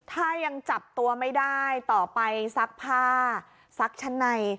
ถ้ายังจับตัวไม่ได้ต่อไปซักผ้าซักชั้นใน